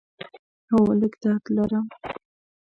هو، لږ درد لرم